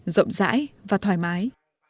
rộng rãi và thoải mái